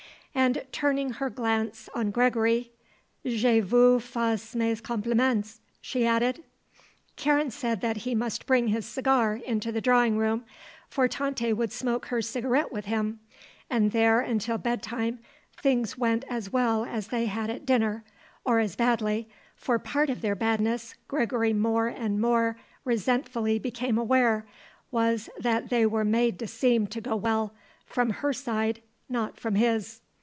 And turning her glance on Gregory, "Je vous fais mes compliments," she added. Karen said that he must bring his cigar into the drawing room, for Tante would smoke her cigarette with him, and there, until bedtime, things went as well as they had at dinner or as badly; for part of their badness, Gregory more and more resentfully became aware, was that they were made to seem to go well, from her side, not from his.